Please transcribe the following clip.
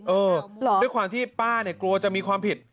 ด้วยความที่ป้าเนี่ยกลัวจะมีความผิด